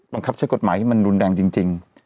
บังคับใช้กฎหมายที่มันรุนแรงจริง